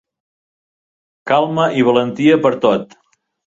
Calma i valentia per a tot.